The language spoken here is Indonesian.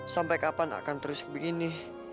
sampai kapan akan terus begini